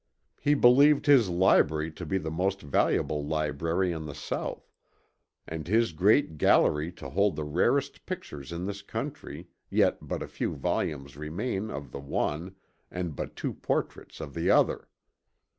He believed his library to be the most valuable library in the South and his great gallery to hold the rarest pictures in this country yet but a few volumes remain of the one and but two portraits of the other.